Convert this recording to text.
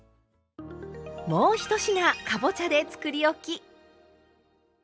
もう１品かぼちゃでつくりおき！